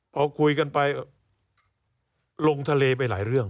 พอคุยกันไปลงทะเลไปหลายเรื่อง